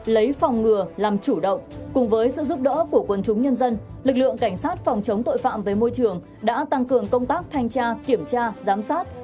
lấy phòng ngừa làm chủ động cùng với sự giúp đỡ của quần chúng nhân dân lực lượng cảnh sát phòng chống tội phạm với môi trường đã tăng cường công tác thanh tra kiểm tra giám sát